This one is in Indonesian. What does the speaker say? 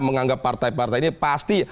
menganggap partai partai ini pasti